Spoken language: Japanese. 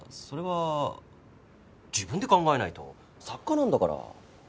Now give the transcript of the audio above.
それは自分で考えないと作家なんだから。